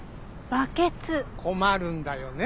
困るんだよね